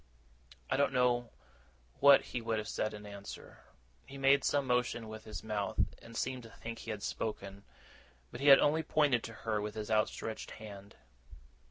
I don't know what he would have said in answer. He made some motion with his mouth, and seemed to think he had spoken; but he had only pointed to her with his outstretched hand.